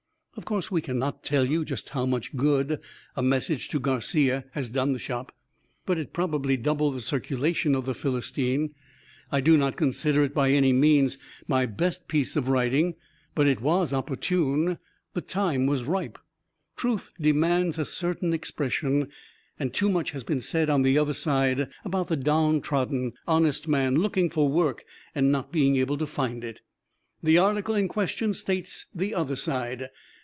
Of course, we can not tell just how much good "A Message to Garcia" has done the Shop, but it probably doubled the circulation of "The Philistine." I do not consider it by any means my best piece of writing; but it was opportune the time was ripe. Truth demands a certain expression, and too much had been said on the other side about the downtrodden, honest man, looking for work and not being able to find it. The article in question states the other side.